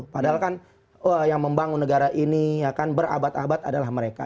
padahal yang membangun negara ini berabad abad adalah mereka